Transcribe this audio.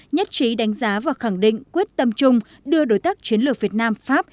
nhất trí đánh giá và khẳng định quyết tâm chung đưa đối tác chiến lược việt nam pháp